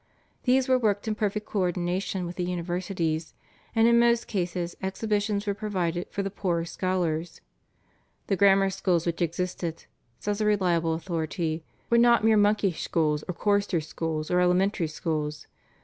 These were worked in perfect co ordination with the universities, and in most cases exhibitions were provided for the poorer scholars. "The Grammar Schools which existed," says a reliable authority, "were not mere monkish schools or choristers' schools or elementary schools.